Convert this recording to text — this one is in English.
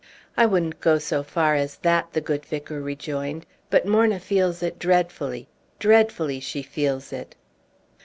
"I wouldn't go so far as that," the good vicar rejoined. "But Morna feels it dreadfully. Dreadfully she feels it!"